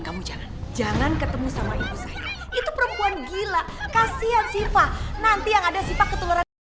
kamu jangan ketemu sama itu perempuan gila kasihan siva nanti yang ada siva ketuluran